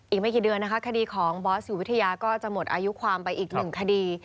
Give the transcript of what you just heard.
อีกไม่กี่เดือนนะคะคดีของบอสอยู่วิทยาก็จะหมดอายุความไปอีกหนึ่งคดี